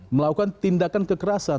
melakukan tindakan kekerasan